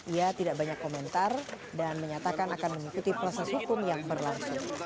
ia tidak banyak komentar dan menyatakan akan mengikuti proses hukum yang berlangsung